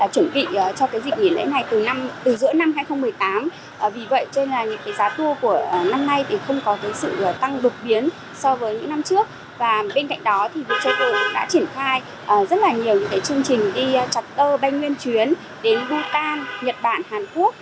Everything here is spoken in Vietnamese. chương trình đi trạc tơ bay nguyên chuyến đến hồ càn nhật bản hàn quốc